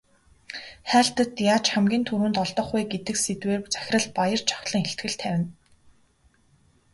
Хайлтад яаж хамгийн түрүүнд олдох вэ гэдэг сэдвээр захирал Баяржавхлан илтгэл тавина.